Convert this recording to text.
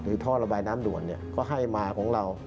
ท่อระบายน้ำด่วนก็ให้มาของเรา